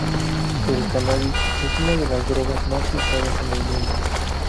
El cannabis es una de las drogas más usadas en el mundo.